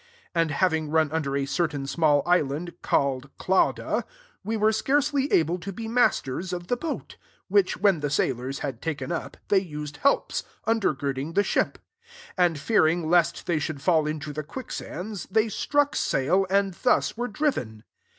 16 And having run under a certain small island, called Clauda, we were scarce ly able to be masters of the boat : 17 which, when the sailors had taken up, they used helps, undergirding the ship; and, fearing lest they should fall into the quicksands, they struck sail, and thus were driven.